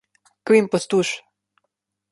Grem pod tuš.